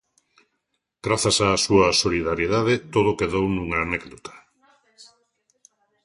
Grazas á súa solidariedade, todo quedou nunha anécdota.